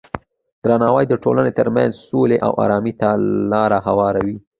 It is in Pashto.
درناوی د ټولنې ترمنځ سولې او ارامۍ ته لاره هواروي.